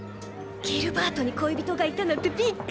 ギルバートに恋人がいたなんてびっくり！